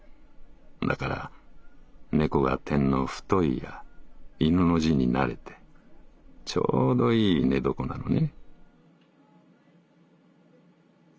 だから猫が点の『太』や『犬』の字になれてちょうどいい寝床なのね」。